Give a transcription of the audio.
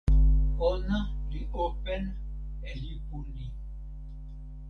ona li open e lipu ni.